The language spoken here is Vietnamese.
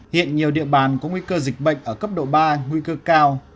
hiện nhiều địa bàn có nguy cơ dịch bệnh ở cấp độ ba nguy cơ cao